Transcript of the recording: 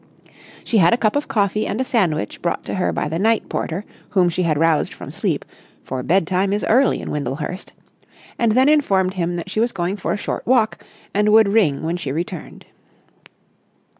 She had a cup of coffee and a sandwich brought to her by the night porter whom she had roused from sleep, for bedtime is early in Windlehurst, and then informed him that she was going for a short walk and would ring when she returned.